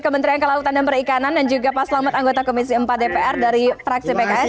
kementerian kelautan dan perikanan dan juga pak selamat anggota komisi empat dpr dari fraksi pks